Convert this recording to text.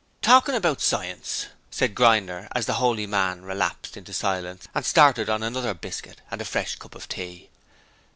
'Talking about science,' said Grinder, as the holy man relapsed into silence and started on another biscuit and a fresh cup of tea.